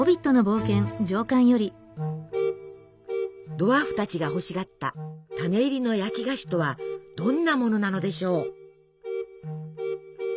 ドワーフたちが欲しがった「種入りの焼き菓子」とはどんなものなのでしょう？